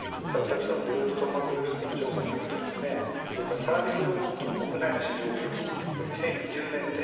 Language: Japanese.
デロイトトーマツグループの調査によるとサービスロボットの国内の市場規模